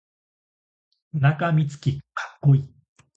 田中洸希かっこいい